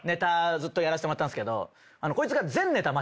ずっとやらせてもらったんですけど。